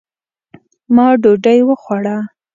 ما ډوډۍ وخوړه